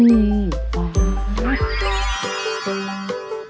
อ๋อนี่